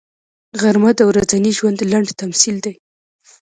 غرمه د ورځني ژوند لنډ تمثیل دی